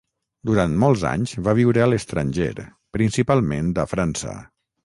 Durant molts anys va viure a l'estranger, principalment a França.